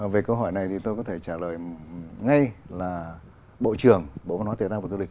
về câu hỏi này thì tôi có thể trả lời ngay là bộ trưởng bộ phòng hóa tiền tăng của tư lịch